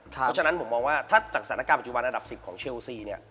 เพราะฉะนั้นผมมองว่าถ้าจากสถานการณ์ปัจจุบันอันดับ๑๐ของเชลซีเนี่ย